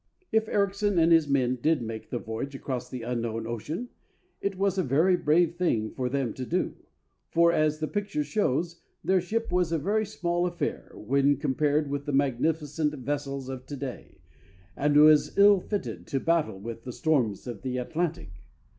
If Ericsson and his men did make the voyage across the unknown ocean, it was a very brave thing for them to do, for as the picture shows their ship was a very small affair when compared with the magnificent vessels of to day, and was ill fitted to battle with the storms of the Atlantic.